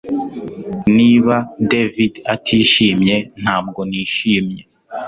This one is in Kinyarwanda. Niba David atishimiye ntabwo nishimye